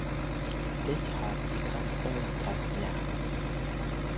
This have become stereotyped now.